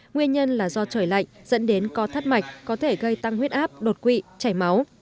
nguyên nhân là do trời lạnh dẫn đến co thắt mạch có thể gây tăng huyết áp đột quỵ chảy máu